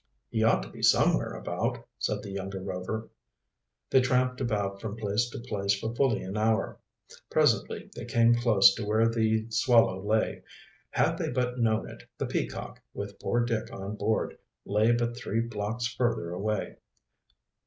"He ought to be somewhere about," said the younger Rover. They tramped about from place to place for fully an hour. Presently they came close to where the Swallow lay. Had they but known it, the Peacock, with poor Dick on board, lay but three blocks further away.